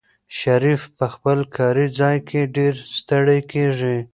شریف په خپل کاري ځای کې ډېر ستړی کېږي.